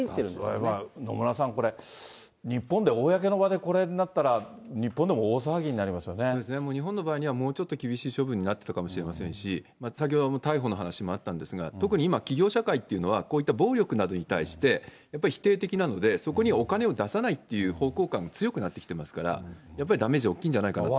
それは野村さん、これ、日本で公の場でこれになったら、日本の場合には、もうちょっと厳しい処分になってたかもしれませんし、先ほど逮捕の話もありましたが、特に今、企業社会っていうのは、こういった暴力などに対して、やっぱり否定的なので、そこにお金を出さないっていう方向感が強くなってきてますから、やっぱりダメージ大きいじゃないかと。